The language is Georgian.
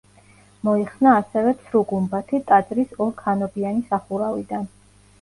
მოიხსნა, ასევე, ცრუ გუმბათი ტაძრის ორქანობიანი სახურავიდან.